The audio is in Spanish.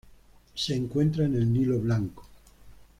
Se encuentra en el Nilo Blanco.